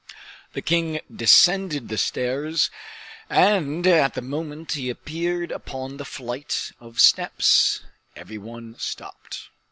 The king descended the stairs, and at the moment he appeared upon the flight of steps, every one stopped.